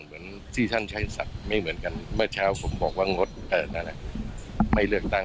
เหมือนที่ท่านใช้สัตว์ไม่เหมือนกันเมื่อเช้าผมบอกว่างดอะไรไม่เลือกตั้ง